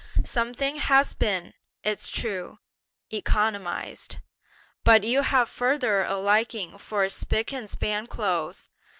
Something has been, it's true, economised; but you have further a liking for spick and span clothes.